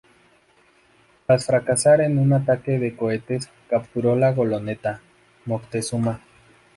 Tras fracasar en un ataque con cohetes, capturó la goleta "Moctezuma".